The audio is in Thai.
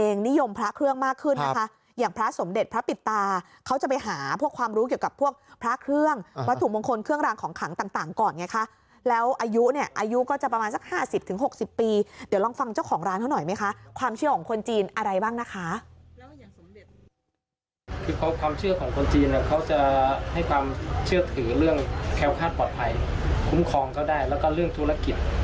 นิยมพระเครื่องมากขึ้นนะคะอย่างพระสมเด็จพระปิดตาเขาจะไปหาพวกความรู้เกี่ยวกับพวกพระเครื่องวัตถุมงคลเครื่องรางของขังต่างต่างก่อนไงคะแล้วอายุเนี่ยอายุก็จะประมาณสักห้าสิบถึงหกสิบปีเดี๋ยวลองฟังเจ้าของร้านเขาหน่อยไหมคะความเชื่อของคนจีนอะไรบ้างนะคะคือเพราะความเชื่อของคนจีนอะเขาจะให้ความเชื่อถือเรื่องแค